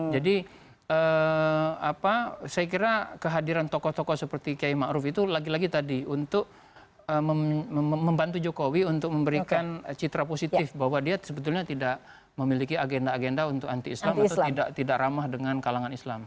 jadi saya kira kehadiran tokoh tokoh seperti kiai ma'ruf itu lagi lagi tadi untuk membantu jokowi untuk memberikan citra positif bahwa dia sebetulnya tidak memiliki agenda agenda untuk anti islam atau tidak ramah dengan kalangan islam